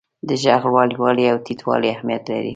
د ږغ لوړوالی او ټیټوالی اهمیت لري.